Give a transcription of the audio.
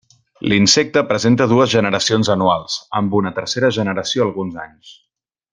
L'insecte presenta dues generacions anuals, amb una tercera generació alguns anys.